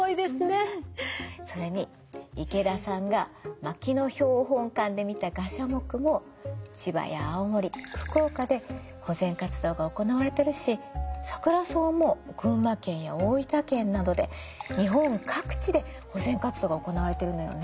それに池田さんが牧野標本館で見たガシャモクも千葉や青森福岡で保全活動が行われてるしサクラソウも群馬県や大分県などで日本各地で保全活動が行われてるのよね。